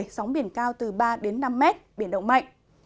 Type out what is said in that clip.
sóng biển cao từ ba năm m biển động mạnh